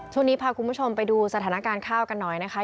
ช่วงนี้พาคุณผู้ชมไปดูสถานการณ์ข้าวกันหน่อยนะคะ